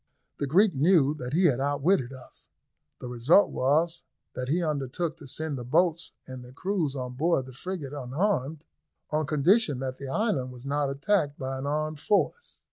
The Greek knew that he had outwitted us. The result was that he undertook to send the boats and their crews on board the frigate unharmed, on condition that the island was not attacked by an armed force.